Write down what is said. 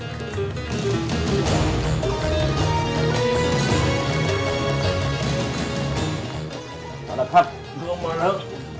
เอาละครับดูออกมาแล้ว